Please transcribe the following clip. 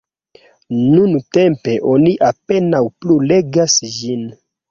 Nuntempe oni apenaŭ plu legas ĝin.